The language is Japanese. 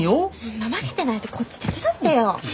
怠けてないでこっち手伝ってよ。